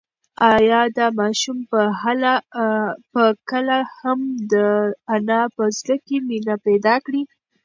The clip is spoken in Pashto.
ایا دا ماشوم به کله هم د انا په زړه کې مینه پیدا کړي؟